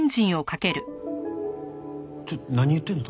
ちょっと何言ってるの？